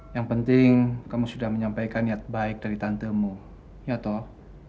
yang penting kamu sudah menyampaikan niat baik dari tantemu ya toh